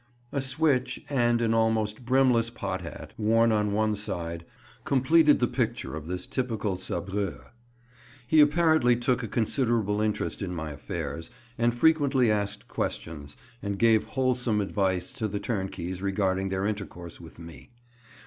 A switch, and an almost brimless pot hat, worn on one side, completed the picture of this typical sabreur. He apparently took a considerable interest in my affairs, and frequently asked questions, and gave wholesome advice to the turnkeys regarding their intercourse with me.